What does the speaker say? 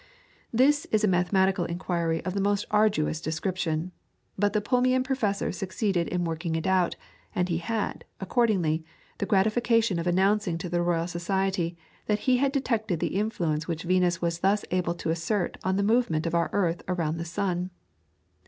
This is a mathematical inquiry of the most arduous description, but the Plumian Professor succeeded in working it out, and he had, accordingly, the gratification of announcing to the Royal Society that he had detected the influence which Venus was thus able to assert on the movement of our earth around the sun.